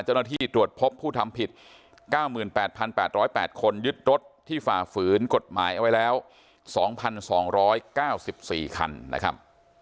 เจ้าหน้าที่ตรวจพบผู้ทำผิด๙๘๘๐๘คนยึดรถที่ฝ่าฝืนกฎหมายเอาไว้แล้ว๒๒๙๔คันนะครับ